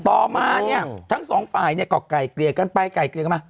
ต่อมาทั้งสองฝ่ายกรอกไก่เกลียร์กันไปไก่เกลียร์กันมา